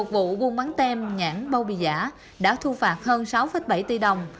một vụ buôn bán tem nhãn bao bì giả đã thu phạt hơn sáu bảy tỷ đồng